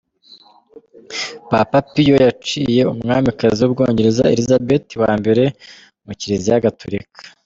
Papa Piyo wa yaciye umwamikazi w’ubwongereza Elizabeth wa mbere muri Kiliziya Gatolika.